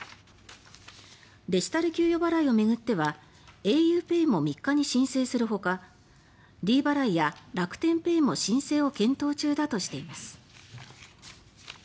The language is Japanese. デジタル給与払いを巡ってはａｕＰＡＹも３日に申請するほかｄ払いや楽天ペイも申請を検討中だとしています。